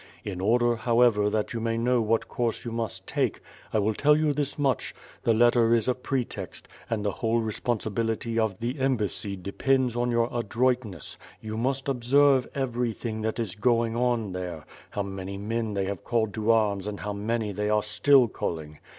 In order, however, that you may know what course you must take, I will tell you this much: the letter is a pretext, and the whole responeibility of the embassy de pends on your adroitness; you must observe everything that is going on there; how many men they have caJled to arms and how many they are still calling.